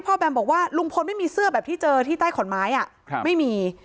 แบมบอกว่าลุงพลไม่มีเสื้อแบบที่เจอที่ใต้ขอนไม้ไม่มี